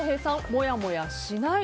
もやもやしない。